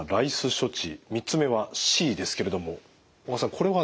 処置３つ目はＣですけれども小川さんこれは何になりますか？